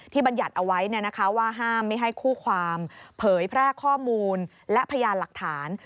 บรรยัติเอาไว้ว่าห้ามไม่ให้คู่ความเผยแพร่ข้อมูลและพยานหลักฐาน